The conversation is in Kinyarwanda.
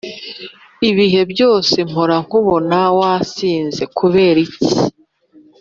ibihe byose mpora nkubona wasinze kuberiki